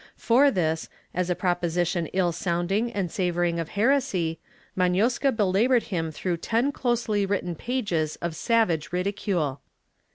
For this, as a proposition ill sounding and savoring of heresy, Maiiozca be labored him through ten closely written pages of savage ridicule.